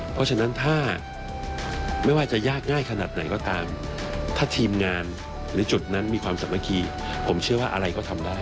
เพราะฉะนั้นถ้าไม่ว่าจะยากง่ายขนาดไหนก็ตามถ้าทีมงานหรือจุดนั้นมีความสามัคคีผมเชื่อว่าอะไรก็ทำได้